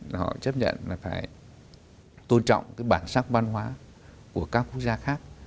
là họ chấp nhận là phải tôn trọng cái bản sắc văn hóa của các quốc gia khác